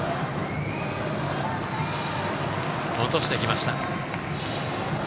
落としてきました。